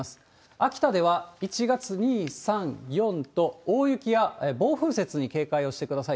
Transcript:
秋田では１月２、３、４と、大雪や暴風雪に警戒をしてください。